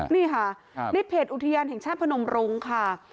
นี่ค่ะในเพจอุทยานแห่งชาติพนมรุ้งค่ะ